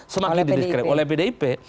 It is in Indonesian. semakin dideskrip oleh pdip